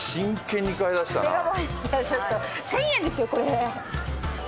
１，０００円ですよこれ。